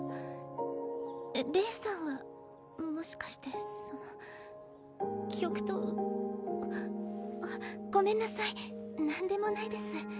レイさんはもしかしてその極東あっごめんなさい何でもないです